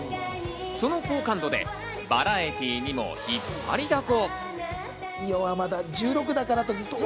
その好感度でバラエティーにも引っ張りだこ。